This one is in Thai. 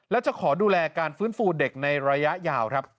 และจะขอดูแลการฟื้นฟูเด็กในระยะยาวครับ